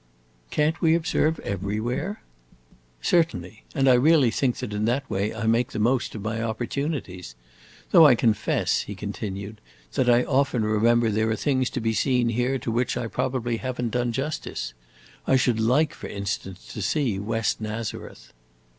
"Can't we observe everywhere?" "Certainly; and I really think that in that way I make the most of my opportunities. Though I confess," he continued, "that I often remember there are things to be seen here to which I probably have n't done justice. I should like, for instance, to see West Nazareth."